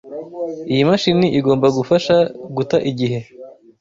Iyi mashini igomba gufasha guta igihe.